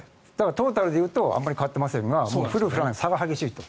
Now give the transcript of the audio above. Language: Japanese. トータルで言うとあまり変わっていませんが降る、降らないの差が激しいと。